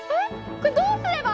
これどうすれば？